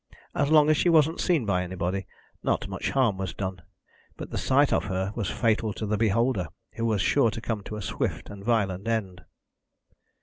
As long as she wasn't seen by anybody, not much harm was done, but the sight of her was fatal to the beholder, who was sure to come to a swift and violent end.